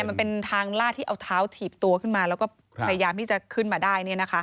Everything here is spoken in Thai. มันเป็นทางลาดที่เอาเท้าถีบตัวขึ้นมาแล้วก็พยายามที่จะขึ้นมาได้